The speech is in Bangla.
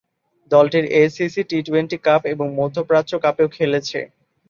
দলটি এসিসি টি-টোয়েন্টি কাপ এবং মধ্যপ্রাচ্য কাপেও খেলেছে।